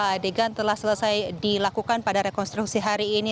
tujuh puluh dua adegan telah selesai dilakukan pada rekonstruksi hari ini